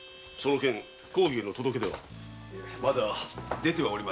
その件公儀への届け出は？